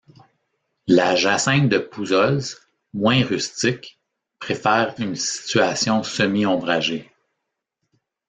La jacinthe de Pouzolz, moins rustique, préfère une situation semi-ombragée.